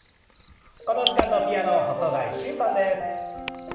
この時間のピアノ細貝柊さんです。